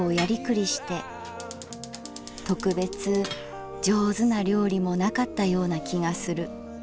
特別上手な料理もなかったような気がする。